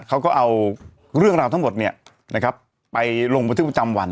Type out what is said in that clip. เขาก็เอาเรื่องราวทั้งหมดไปลงบันทึกประจำวัน